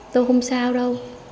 tôi không sao đâu